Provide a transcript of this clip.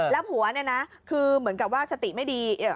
แล้วผัวเนี่ยนะคือเหมือนกับว่าสติไม่ดี